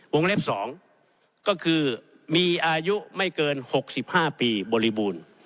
เล็บ๒ก็คือมีอายุไม่เกิน๖๕ปีบริบูรณ์